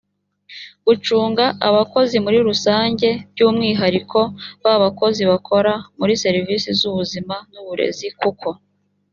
gucunga abakozi muri rusange by umwihariko mu bakozi bakora muri serivisi z ubuzima n uburezi kuko